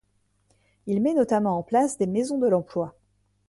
Il met notamment en place des maisons de l’emploi.